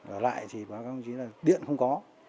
ở lại thì bác công chí là điện không có